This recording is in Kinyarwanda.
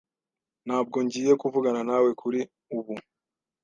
Ntabwo ngiye kuvugana nawe kuri ubu.